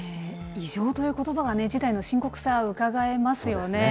異常ということばがね、事態の深刻さがうかがえますよね。